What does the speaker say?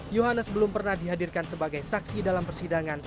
yohanes belum pernah dihadirkan sebagai saksi dalam persidangan